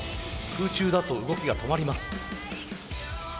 空中だと動きが止まります。